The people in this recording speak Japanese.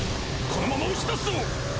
このまま押し出すぞ！